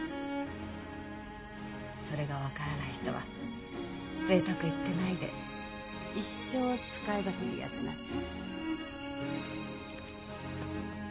それが分からない人はぜいたく言ってないで一生使い走りやってなさい。